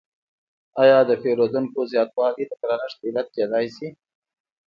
آیا د پیرودونکو زیاتوالی د ګرانښت علت کیدای شي؟